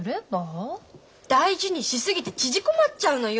大事にし過ぎて縮こまっちゃうのよ。